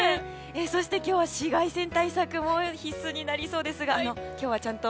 そして、今日は紫外線対策も必須になりそうですが今日はちゃんと？